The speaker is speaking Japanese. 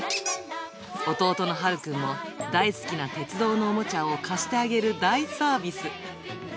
弟のはるくんも大好きな鉄道のおもちゃを貸してあげる大サービス。